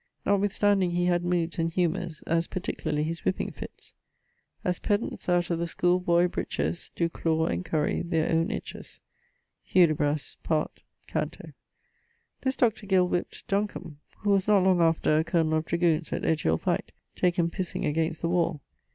Notwithstanding he had moodes and humours, as particularly his whipping fitts: As Paedants out of the schoole boies breeches doe clawe and curry their owne itches Hudibras, part ... canto ... This Dr. Gill whipped ... Duncomb, who was not long after a colonel of dragoons at Edgehill fight, taken pissing against the wall.